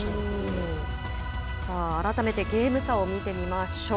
さあ、改めてゲーム差を見てみましょう。